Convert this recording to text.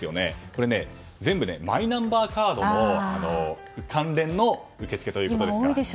これ、全部マイナンバーカード関連の受け付けということです。